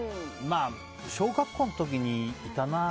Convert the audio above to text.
小学校の時にいたな。